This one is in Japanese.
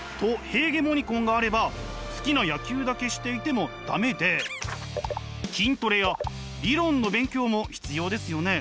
・ヘーゲモニコンがあれば好きな野球だけしていても駄目で筋トレや理論の勉強も必要ですよね。